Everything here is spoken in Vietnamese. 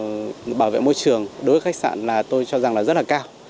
nhận thức về bảo vệ môi trường đối với khách sạn là tôi cho rằng là rất là cao